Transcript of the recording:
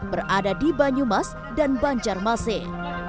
berada di banyumas dan banjarmasin